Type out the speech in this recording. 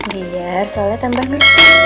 biar soleh tambah ngerti